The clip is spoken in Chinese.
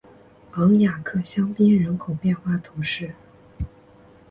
昂雅克香槟人口变化图示